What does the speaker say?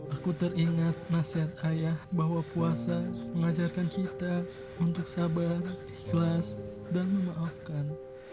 aku teringat nasihat ayah bahwa puasa mengajarkan kita untuk sabar ikhlas dan memaafkan